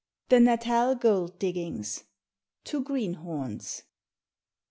THE NATAL GOLD DIGGINGS. TO GREENHORNS.